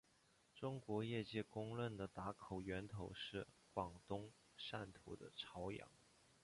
中国业界公认的打口源头是广东汕头的潮阳。